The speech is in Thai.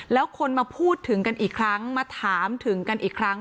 แล้วคนมาพูดถึงกันอีกครั้งมาถามถึงกันอีกครั้ง